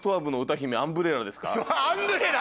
そうアンブレラ！